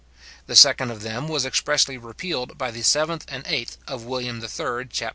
The second of them was expressly repealed by the 7th and 8th of William III. chap.